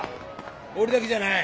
俺だけじゃない。